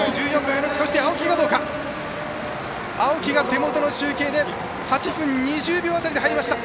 青木、手元の集計で８分２０秒辺りで入った。